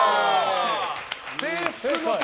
制服の丈。